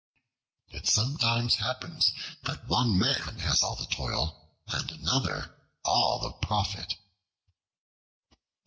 It sometimes happens that one man has all the toil, and another all the profit.